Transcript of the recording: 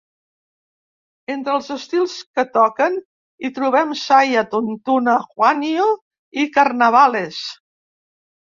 Entre els estils que toquen hi trobem saya, tuntuna, huayno i carnavales.